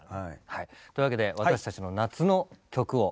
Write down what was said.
はいというわけで私たちの夏の曲を。